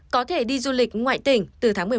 có thể đi du lịch ngoại tỉnh từ tháng một mươi một